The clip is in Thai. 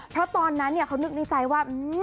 เพราะตอนนั้นเขานึกในใจว่า